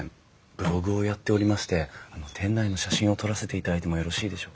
ブログをやっておりまして店内の写真を撮らせていただいてもよろしいでしょうか？